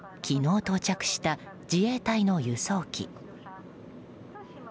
昨日到着した自衛隊の輸送機。